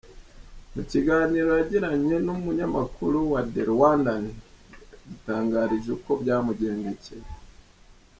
Mu kiganiro yagiranye n’umunyamakuru wa The Rwandan yadutangarije uko byamugendekeye.